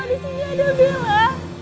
di sini ada bella